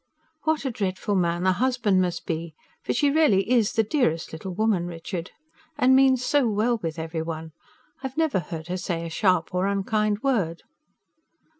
What a dreadful man the husband must be! "For she really is the dearest little woman, Richard. And means so well with every one I've never heard her say a sharp or unkind word.